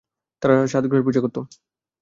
তারা সাত গ্রহের পূজা করত।